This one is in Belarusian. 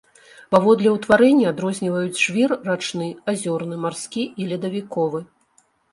Паводле ўтварэння адрозніваюць жвір рачны, азёрны, марскі і ледавіковы.